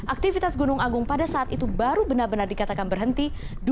aktivitas gunung agung pada saat itu baru benar benar dikatakan berhenti